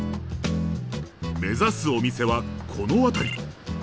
目指すお店はこの辺り。